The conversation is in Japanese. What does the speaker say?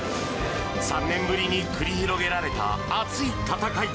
３年ぶりに繰り広げられた熱い戦い。